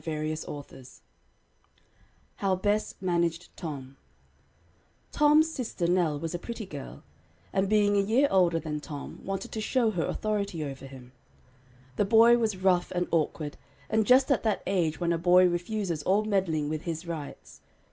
HOW BESS MANAGED TOM Tom's sister Nell was a pretty girl, and being a year older than Tom, wanted to show her authority over him. The boy was rough and awkward, and just at that age when a boy refuses all meddling with "his rights."